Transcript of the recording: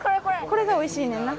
これがおいしいねんな。